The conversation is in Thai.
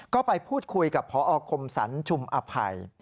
ก็ไปพูดคุยกับพอคมสรรชุมอภัย